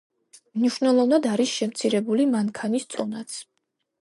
მნიშვნელოვნად არის შემცირებული მანქანის წონაც.